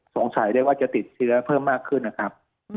สงสัยได้ว่าจะติดเชื้อเพิ่มมากขึ้นนะครับ